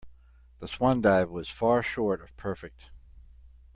The swan dive was far short of perfect.